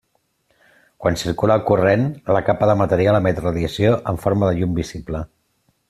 Quan circula el corrent, la capa de material emet radiació en forma de llum visible.